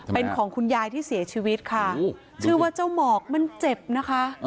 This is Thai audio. เป็นของคุณยายที่เสียชีวิตค่ะชื่อว่าเจ้าหมอกมันเจ็บนะคะ